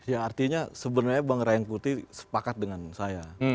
ya artinya sebenarnya bang ray kuti sepakat dengan saya